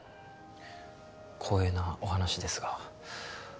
光栄なお話ですが